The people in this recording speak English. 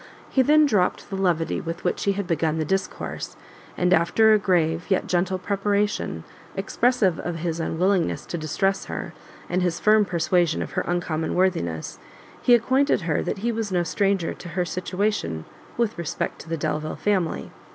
He then dropt the levity with which he had begun the discourse, and after a grave, yet gentle preparation, expressive of his unwillingness to distress her, and his firm persuasion of her uncommon worthiness, he acquainted her that he was no stranger to her situation with respect to the Delvile family.